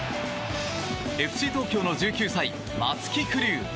ＦＣ東京の１９歳、松木玖生。